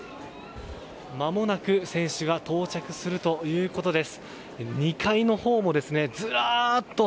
まもなく選手が到着するということです。